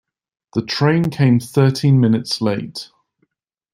The train came thirteen minutes late.